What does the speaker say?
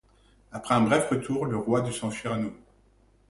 Après un bref retour, le roi dut s'enfuir à nouveau.